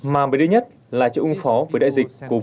mà mới đây nhất là trợ ung phó với đại dịch covid một mươi chín